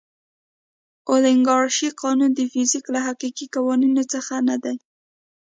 اولیګارشي قانون د فزیک له حقیقي قوانینو څخه نه دی.